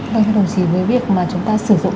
vâng thưa đồng chí với việc mà chúng ta sử dụng